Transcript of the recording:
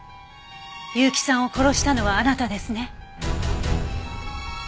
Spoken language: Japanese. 結城さんを殺したのはあなたですね。